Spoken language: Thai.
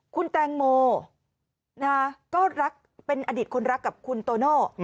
คุณแตงโมก็รักเป็นอดีตคนรักกับคุณโตโน่